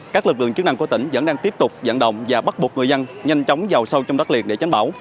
các lực lượng chức năng của tỉnh vẫn đang tiếp tục dẫn động và bắt buộc người dân nhanh chóng giàu sâu trong đất liền để tránh bão